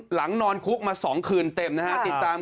หลังนอนคุกมาสองคืนเต็มนะฮะติดตามโคลนวิมวลวัน